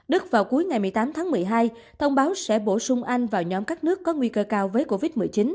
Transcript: đức vào cuối ngày một mươi tám tháng một mươi hai thông báo sẽ bổ sung anh vào nhóm các nước có nguy cơ cao với covid một mươi chín